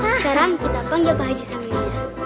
sekarang kita panggil pak haji samion ya